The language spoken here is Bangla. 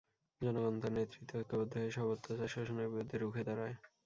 জনগণ তার নেতৃত্বে ঐক্যবদ্ধ হয়ে সব অত্যাচার-শোষণের বিরুদ্ধে রুখে দাঁড়ায়।